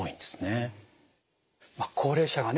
高齢者がね